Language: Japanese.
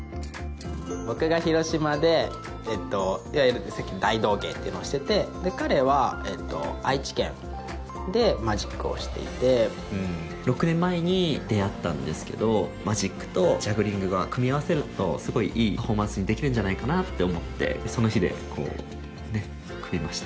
僕が広島でいわゆる大道芸というのをしてて彼は愛知県でマジックをしていて６年前に出会ったんですけどマジックとジャグリングが組み合わせるとすごいいいパフォーマンスにできるんじゃないかなって思ってその日でこうねっ組みました